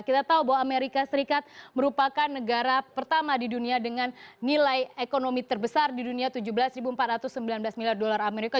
kita tahu bahwa amerika serikat merupakan negara pertama di dunia dengan nilai ekonomi terbesar di dunia tujuh belas empat ratus sembilan belas miliar dolar amerika